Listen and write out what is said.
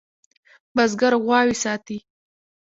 بزگر غواوې ساتي.